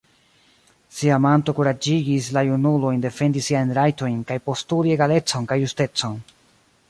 Siamanto kuraĝigis la junulojn defendi siajn rajtojn kaj postuli egalecon kaj justecon.